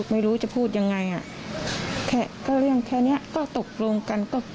ไม่รู้จะพูดยังไงอ่ะแค่ก็เรื่องแค่นี้ก็ตกลงกันก็